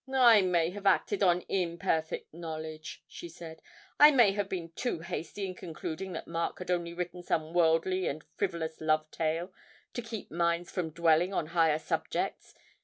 'I may have acted on imperfect knowledge,' she said; 'I may have been too hasty in concluding that Mark had only written some worldly and frivolous love tale to keep minds from dwelling on higher subjects.